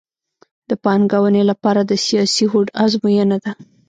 د پانګونې لپاره د سیاسي هوډ ازموینه ده